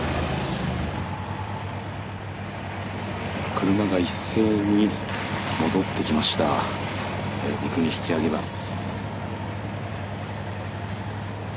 車が一斉に戻ってきました陸に引き揚げます